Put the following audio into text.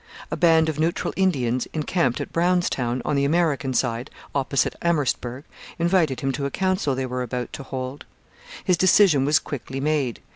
A band of neutral Indians, encamped at Brownstown, on the American side, opposite Amherstburg, invited him to a council they were about to hold. His decision was quickly made.